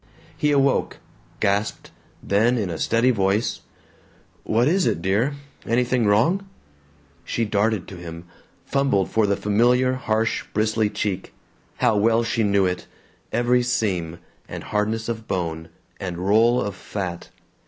He awoke, gasped, then in a steady voice: "What is it, dear? Anything wrong?" She darted to him, fumbled for the familiar harsh bristly cheek. How well she knew it, every seam, and hardness of bone, and roll of fat!